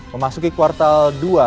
memasuki kuartal dua dua ribu dua puluh dua